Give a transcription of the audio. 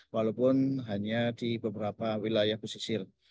walaupun hanya di beberapa wilayah pesisir